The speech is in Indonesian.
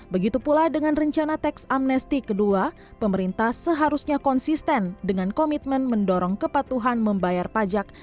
begitu pula dengan rencana teks amnesty kedua pemerintah seharusnya konsisten dengan komitmen mendorong kepatuhan membayar pajak